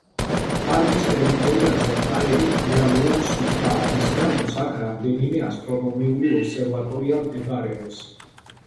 პარკის ტერიტორიაზე ჰაერი იდეალურად სუფთაა, რის გამოც აქ რამდენიმე ასტრონომიული ობსერვატორია მდებარეობს.